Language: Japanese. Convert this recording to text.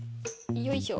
よいしょ。